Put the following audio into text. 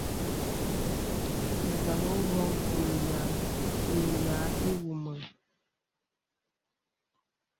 Zàmā wōŋ ìya ìguæm.